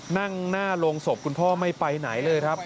นั่งหน้าโรงศพคุณพ่อไม่ไปไหนเลยครับ